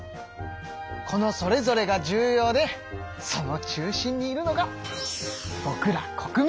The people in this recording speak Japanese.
このそれぞれが重要でその中心にいるのがぼくら国民。